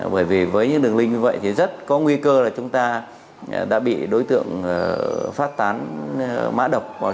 bởi vì với những đường link như vậy thì rất có nguy cơ là chúng ta đã bị đối tượng phát tán mã độc vào trong cá nhân